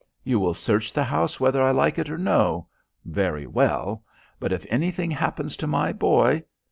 "You will search the house whether I like it or no. Very well; but if anything happens to my boy?